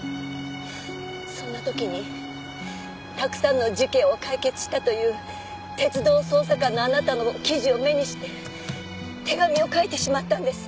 そんな時にたくさんの事件を解決したという鉄道捜査官のあなたの記事を目にして手紙を書いてしまったんです。